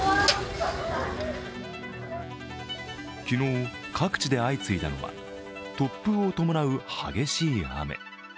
昨日、各地で相次いだのは突風を伴う激しい雨。